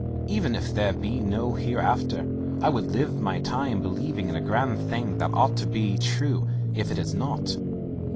Even if there be no hereafter, I would live my time believing in a grand thing that ought to be true if it is not.